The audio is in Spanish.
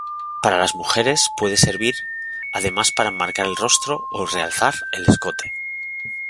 Para las mujeres puede servir además para enmarcar el rostro o realzar el escote.